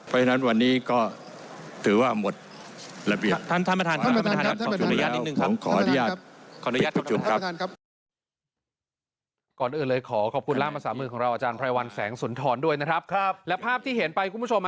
เพราะฉะนั้นวันนี้ก็ถือว่าหมดระเบียบ